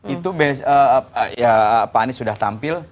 itu ya pak anies sudah tampil